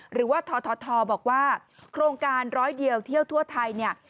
หรือว่าททบอกว่าโครงการร้อยเดียวเที่ยวทั่วไทยเนี่ย